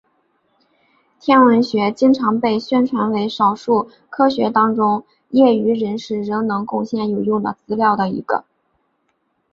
天文学经常被宣传为少数科学当中业余人士仍能贡献有用的资料的一个。